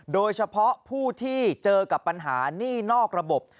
โดยเฉพาะผู้ที่เจอกับปัญหานี่นอกระบบ